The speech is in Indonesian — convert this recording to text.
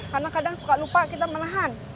karena kadang suka lupa kita menahan